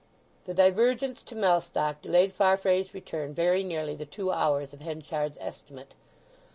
The divergence to Mellstock delayed Farfrae's return very nearly the two hours of Henchard's estimate.